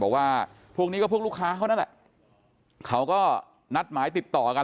บอกว่าพวกนี้ก็พวกลูกค้าเขานั่นแหละเขาก็นัดหมายติดต่อกัน